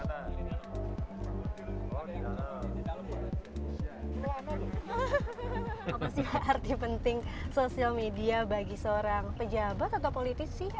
apa sih arti penting sosial media bagi seorang pejabat atau politisi